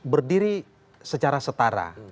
berdiri secara setara